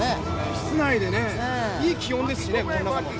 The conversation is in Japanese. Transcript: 室内で、いい気温ですしね。